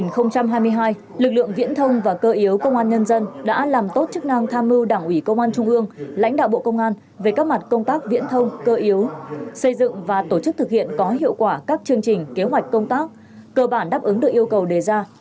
năm hai nghìn hai mươi hai lực lượng viễn thông và cơ yếu công an nhân dân đã làm tốt chức năng tham mưu đảng ủy công an trung ương lãnh đạo bộ công an về các mặt công tác viễn thông cơ yếu xây dựng và tổ chức thực hiện có hiệu quả các chương trình kế hoạch công tác cơ bản đáp ứng được yêu cầu đề ra